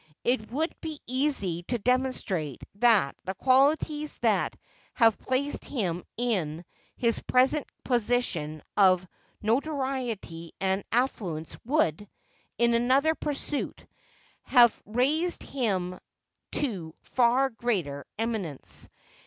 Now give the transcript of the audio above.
It would be easy to demonstrate that the qualities that have placed him in his present position of notoriety and affluence would, in another pursuit, have raised him to far greater eminence.